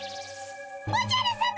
おじゃるさま！